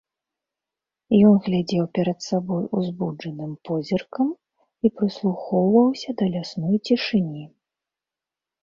Ён глядзеў перад сабой узбуджаным позіркам і прыслухоўваўся да лясной цішыні.